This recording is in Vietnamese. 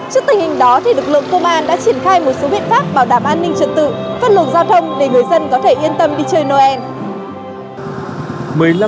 trước tình hình đó lực lượng công an đã triển khai một số biện pháp bảo đảm an ninh trật tự phát luồng giao thông để người dân có thể yên tâm đi chơi noel